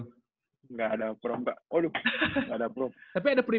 gak ada prom kak aduh gak ada prom